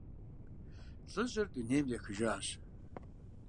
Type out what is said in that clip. ЛӀыжьыр дунейм ехыжащ.